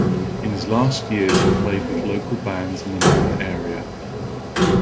In his last years he played with local bands in the Napa area.